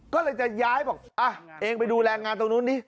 ก็เลยจะย้ายบอกอ่ะเองไปดูแรงงานตรงนู้นดิ